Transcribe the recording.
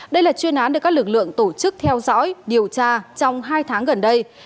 đây là chuyên án được các lực lượng tổ chức theo dõi điều tra trong hai tháng gần đây